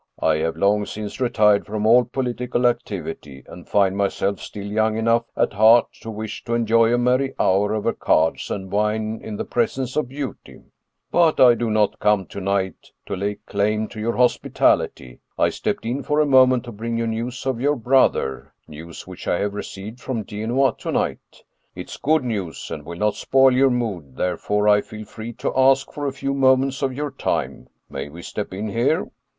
I have long since retired from all political activity, and find myself still young enough at heart to wish to enjoy a merry hour over cards and wine in the presence of beauty But I do not come to night to lay claim to your hospitality. I stepped in for a moment to bring you news of your brother, news which I have received from Genoa to night. It is good news, and will not spoil your mood, therefore I feel free to ask for a few moments of your time. May we step in here ?